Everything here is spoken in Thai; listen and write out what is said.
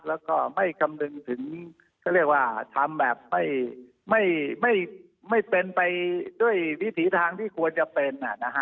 แล้วก็ไม่คำนึงถึงเขาเรียกว่าทำแบบไม่เป็นไปด้วยวิถีทางที่ควรจะเป็น